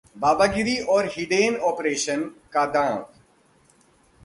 बाबागीरी और hidden operation का दांव